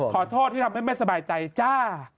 ขอโทษที่ทำให้ไม่สบายใจจ้า